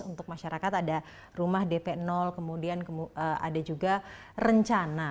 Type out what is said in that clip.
untuk masyarakat ada rumah dp kemudian ada juga rencana